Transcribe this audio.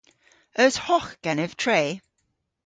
Eus hogh genev tre?